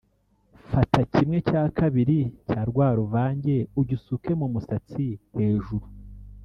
Fata kimwe cya kabiri cya rwa ruvange ugisuke mu musatsi hejuru